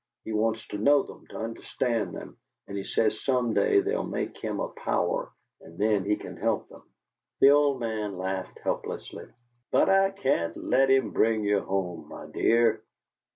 He wants to know them, to understand them; and he says some day they'll make him a power, and then he can help them!" The old man laughed helplessly. "But I can't let him bring you home, my dear."